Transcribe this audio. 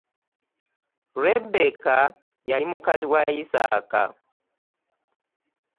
Lebbeeka yali mukazi wa Yisaaka.